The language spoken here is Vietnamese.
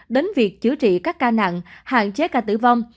đến việc chữa trị các ca nặng hạn chế ca tử vong